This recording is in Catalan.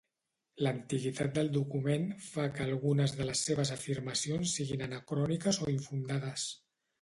L'antiguitat del document fa que algunes de les seves afirmacions siguin anacròniques o infundades.